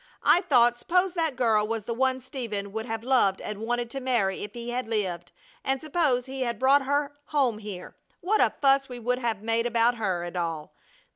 I thought, suppose that girl was the one Stephen would have loved and wanted to marry if he had lived. And suppose he had brought her home here, what a fuss we would have made about her, and all!